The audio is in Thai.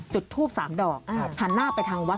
จุดทูป๓ดอกหันหน้าไปทางวัด